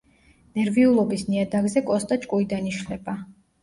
ნერვიულობის ნიადაგზე კოსტა ჭკუიდან იშლება.